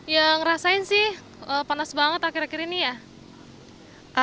ya ngerasain sih panas banget akhir akhir ini ya